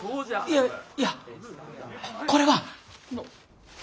いやいやこれは。